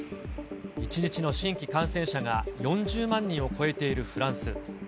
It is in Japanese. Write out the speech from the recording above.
１日の新規感染者が４０万人を超えているフランス。